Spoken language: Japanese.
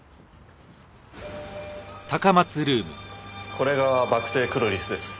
これがバクテクロリスです。